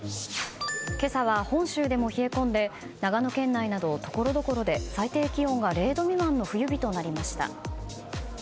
今朝は本州でも冷え込んで長野県内などところどころで最低気温が０度未満の冬日となりました。